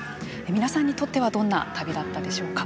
皆さんにとってはどんな旅だったでしょうか？